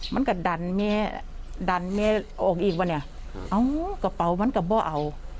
มันก็ดันเมียดันเมียออกอีกป่ะเนี่ยเอากระเป๋ามันก็เบา